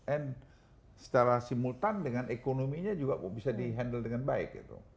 and secara simultan dengan ekonominya juga kok bisa di handle dengan baik gitu